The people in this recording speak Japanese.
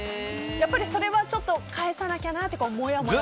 やっぱり、それはちょっと返さなきゃってもやもや。